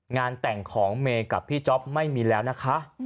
งานแต่งของเมย์กับพี่จ๊อปไม่มีแล้วนะคะ